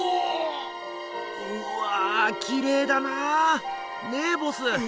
うわきれいだなねえボス？